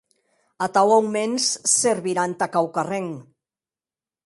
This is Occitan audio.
Atau, aumens, servirà entà quauquarren.